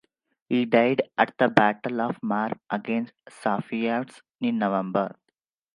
He died at the Battle of Marv against the Safavids in November.